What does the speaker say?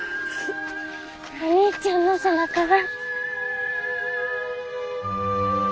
お兄ちゃんの背中だ。